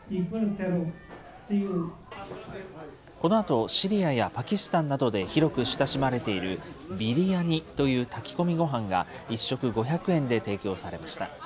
このあと、シリアやパキスタンなどで広く親しまれているビリヤニという炊き込みご飯が１食５００円で提供されました。